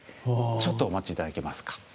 ちょっとお待ち頂けますか？